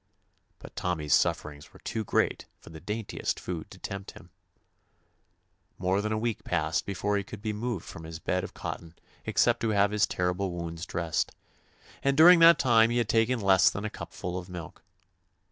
But Tommy's sufferings were too great for the daintiest food to tempt him. More than a week passed be fore he could be moved from his bed 18^ TOMMY POSTOFFICE of cotton except to have his terrible wounds dressed, and during that time he had taken less than a cupful of milk.